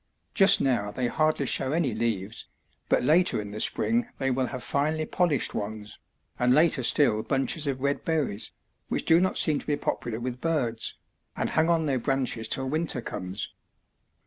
Just now they hardly show any leaves, but later in the spring they will have finely polished ones, and later still bunches of red berries, which do not seem to be popular with birds, and hang on their branches till winter comes.